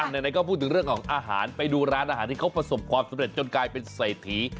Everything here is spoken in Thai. ไหนก็พูดถึงเรื่องของอาหารไปดูร้านอาหารที่เขาประสบความสำเร็จจนกลายเป็นเศรษฐี